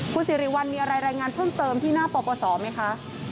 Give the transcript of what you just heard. คุณสิริวัลมีอะไรรายงานเพิ่มเติมที่หน้าปปศไหมคะ